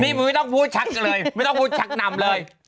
นี่มึงไม่ต้องพูดฉักเลยไม่ต้องพูดฉักหนำเลย